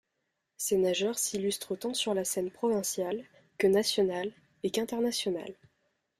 Ses nageurs s'illustrent tant sur la scène provinciale que nationale et qu'internationale.